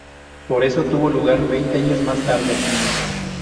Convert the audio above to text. Por eso tuvo lugar veinte años más tarde.